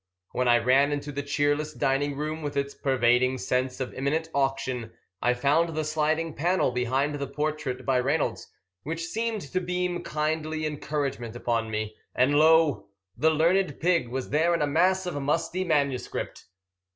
when I ran into the cheerless dining room, with its pervading sense of imminent auction, I found the sliding panel behind the portrait by Reynolds, which seemed to beam kindly encouragement upon me, and, lo! The Learned Pig was there in a mass of musty manuscript.